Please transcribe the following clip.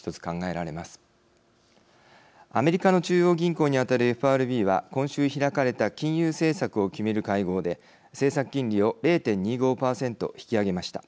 アメリカの中央銀行にあたるＦＲＢは今週開かれた金融政策を決める会合で政策金利を０．２５％引き上げました。